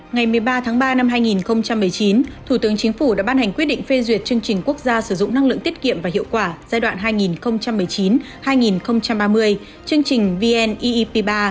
ngày một mươi ba tháng ba năm hai nghìn một mươi chín thủ tướng chính phủ đã ban hành quyết định phê duyệt chương trình quốc gia sử dụng năng lượng tiết kiệm và hiệu quả giai đoạn hai nghìn một mươi chín hai nghìn ba mươi chương trình vnep ba